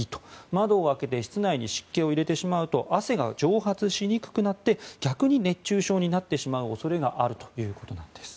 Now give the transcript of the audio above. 窓を開けて室内に湿気を入れてしまうと汗が蒸発しにくくなって逆に熱中症になってしまう恐れがあるということです。